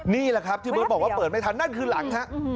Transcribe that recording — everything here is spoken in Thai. นี่แหละครับที่เบิร์ตบอกว่าเปิดไม่ทันนั่นคือหลังฮะ